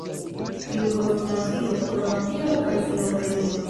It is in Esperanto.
Jugoslavio, Kroatio kaj Slovenio.